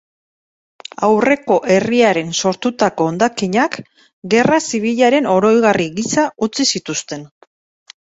Aurreko herriaren sortutako hondakinak, gerra zibilaren oroigarri gisa utzi zituzten.